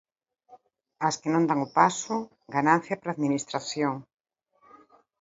As que non dan o paso, ganancia para a administración.